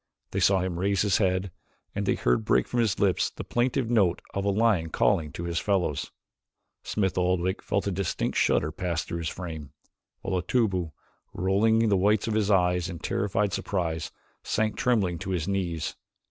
They saw him raise his head and they heard break from his lips the plaintive note of a lion calling to his fellows. Smith Oldwick felt a distinct shudder pass through his frame, while Otobu, rolling the whites of his eyes in terrified surprise, sank tremblingly to his knees.